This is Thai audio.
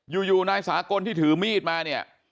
อยู่นายสากลที่ถือมีดมาเนี่ย